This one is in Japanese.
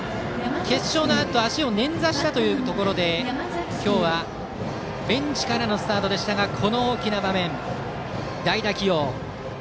決勝のあと足を捻挫したというところで今日はベンチからのスタートでしたがこの大きな場面、代打起用。